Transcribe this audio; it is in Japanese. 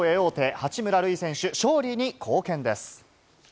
八村塁選手、勝利に貢献です。